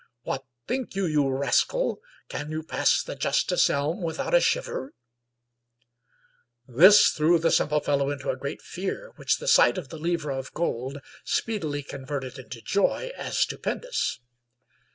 What think you, you ras cal; can you pass the justice elm without a shiver?" 140 Stanley /. Weyman This threw the simple fellow into a great fear, which the sight of the livre of gold speedily converted into joy as stupendous.